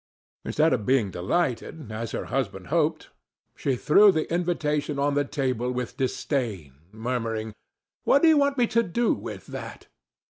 Instead of being delighted, as her husband hoped, she threw the invitation on the table with disdain, murmuring: "What do you want me to do with that?"